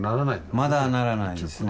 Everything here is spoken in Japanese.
まだならないんですね。